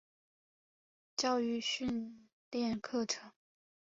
教育训练课程